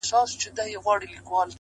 علم د انسان باور لوړوي,